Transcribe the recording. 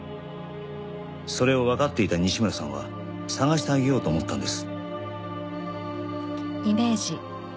それをわかっていた西村さんは捜してあげようと思ったんです。